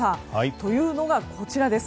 というのが、こちらです。